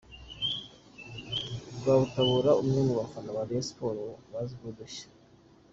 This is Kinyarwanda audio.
Rwabutabura umwe mu bafana ba Rayon Sports bazwiho udushya.